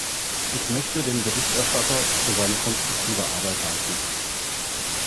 Ich möchte dem Berichterstatter für seine konstruktive Arbeit danken.